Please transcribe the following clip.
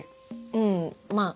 うんまぁ。